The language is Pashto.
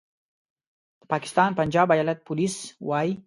د پاکستان پنجاب ایالت پولیس وايي